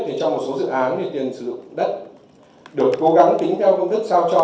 thì trong một số dự án thì tiền sử dụng đất được cố gắng tính theo công thức sao cho